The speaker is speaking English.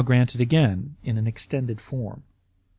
granted again in an extended form.